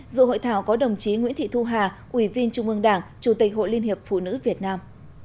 dự hội thảo có đồng chí nguyễn thị thu hà ủy viên trung ương đảng chủ tịch hội liên hiệp phụ nữ việt nam